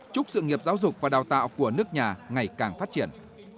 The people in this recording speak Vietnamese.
chúc sự nghiệp giáo dục và đào tạo của nước nhà ngày càng phát triển